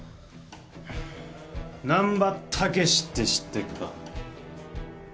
難破猛って知ってっか？